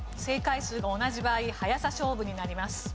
正解数が同じ場合早さ勝負になります。